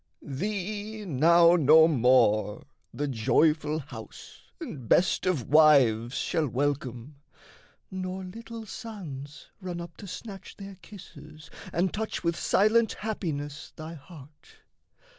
"Thee now no more The joyful house and best of wives shall welcome, Nor little sons run up to snatch their kisses And touch with silent happiness thy heart.